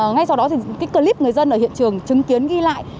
ngay sau đó thì clip người dân ở hiện trường chứng kiến ghi lại